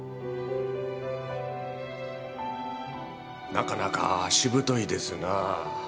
なかなかしぶといですなぁ。